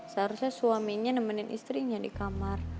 seharusnya suaminya nemenin istrinya di kamar